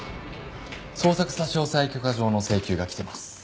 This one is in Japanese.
捜索差押許可状の請求が来てます。